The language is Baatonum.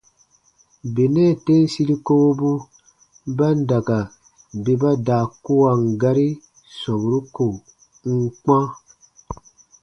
Benɛ tem siri kowobu ba n da ka bè ba daa kuwan gari sɔmburu ko n n kpã.